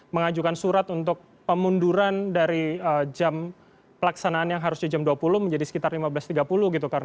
mengajukan surat untuk pemunduran dari jam pelaksanaan yang harusnya jam dua puluh menjadi sekitar lima belas tiga puluh gitu